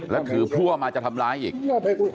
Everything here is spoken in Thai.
แล้วถือพวกมันอาจจะทำร้ายอีก